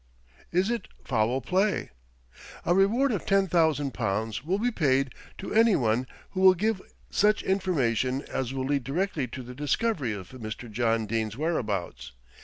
~IS IT FOUL PLAY?~ "A reward of £10,000 will be paid to anyone who will give such information as will lead directly to the discovery of Mr. John Dene's whereabouts.